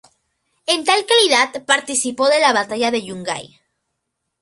En tal calidad, participó de la Batalla de Yungay.